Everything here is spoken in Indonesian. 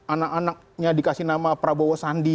anak anaknya dikasih nama prabowo sandi